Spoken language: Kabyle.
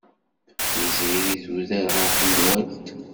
Tiziri tuder ɣer tenwalt.